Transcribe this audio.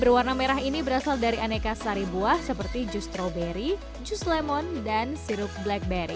berwarna merah ini berasal dari aneka sari buah seperti jus stroberi jus lemon dan sirup blackberry